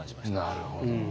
なるほど。